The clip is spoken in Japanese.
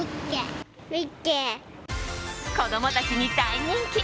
子供たちに大人気！